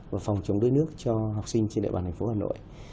và phòng chống đuối nước cho học sinh trên địa bàn thành phố hà nội